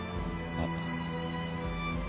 あっ。